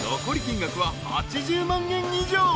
［残り金額は８０万円以上］